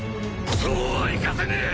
そうはいかせねえ！